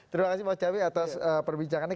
terima kasih bang cami atas perbincangannya